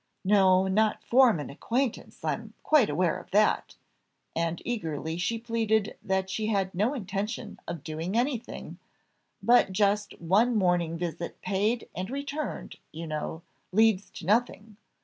"No, not form an acquaintance I'm quite aware of that," and eagerly she pleaded that she had no intention of doing anything; "but just one morning visit paid and returned, you know, leads to nothing.